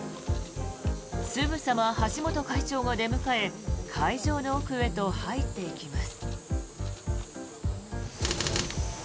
すぐさま橋本会長が出迎え会場の奥へと入っていきます。